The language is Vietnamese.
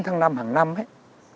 một mươi chín tháng năm hàng năm ấy